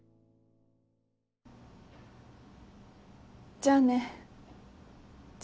じゃあね仁。